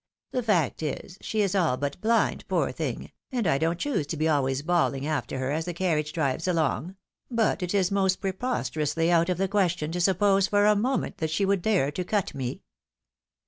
The fact is, she is all but blind, poor thing, and I don't choose to be always bawling after her, as the carriage drives along ; but it is most preposterously out of the question, to suppose for a moment, that she would dare to cut me